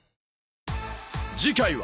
次回は